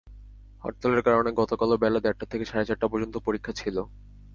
হরতালের কারণে গতকালও বেলা দেড়টা থেকে সাড়ে চারটা পর্যন্ত পরীক্ষা ছিল।